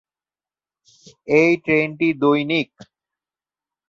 এই ট্রেনটি দৈনিক।